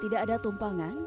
tidak ada tumpangan